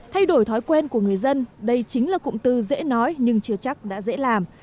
thay đổi thói quen của người dân đây chính là cụm từ dễ nói nhưng chưa chắc đã dễ làm